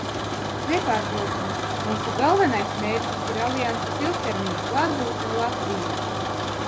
Nepārprotami, mūsu galvenais mērķis ir alianses ilgtermiņa klātbūtne Latvijā.